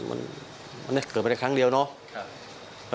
อันนี้เกิดไปแต่ครั้งเดียวเนอะ